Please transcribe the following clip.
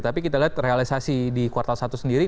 tapi kita lihat realisasi di kuartal satu sendiri